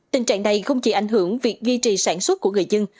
tình trạng này không chỉ ảnh hưởng việc duy trì sản xuất của người dân